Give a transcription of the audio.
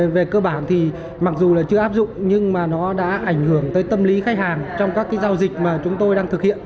về cơ bản thì mặc dù là chưa áp dụng nhưng mà nó đã ảnh hưởng tới tâm lý khách hàng trong các giao dịch mà chúng tôi đang thực hiện